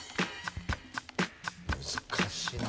難しいな。